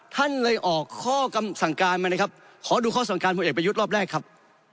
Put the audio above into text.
ท่านเลยออกข้อกำสั่งการมาเลยครับขอดูข้อสั่งการพลเอกประยุทธ์รอบแรกครับ